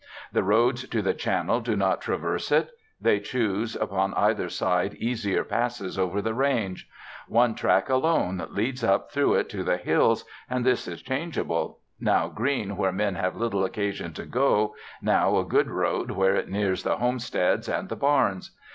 The roads to the Channel do not traverse it; they choose upon either side easier passes over the range. One track alone leads up through it to the hills, and this is changeable: now green where men have little occasion to go, now a good road where it nears the homesteads and the barns.